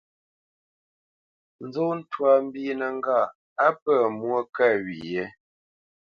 Nzó twâ mbínə́ ŋgâʼ á pə̂ mwô kə wye ?